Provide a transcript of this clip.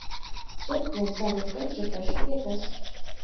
Черке омса воктенже тый шогетыс.